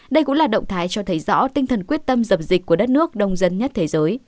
đây cũng là động thái cho thấy rõ tinh thần quyết tâm dập dịch của đất nước đông dân nhất thế giới